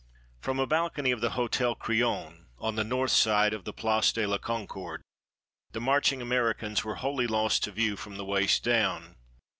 From a balcony of the Hotel Crillon, on the north side of the Place de la Concorde, the marching Americans were wholly lost to view from the waist down.